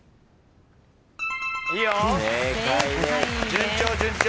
順調順調。